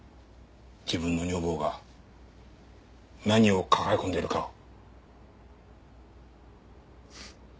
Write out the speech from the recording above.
自分の女房が何を抱え込んでいるか。